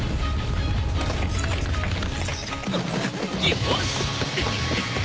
よし！